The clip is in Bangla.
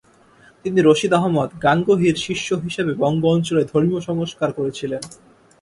তিনি রশিদ আহমদ গাঙ্গুহির শিষ্য হিসেবে বঙ্গ অঞ্চলে ধর্মীয় সংস্কার করেছিলেন।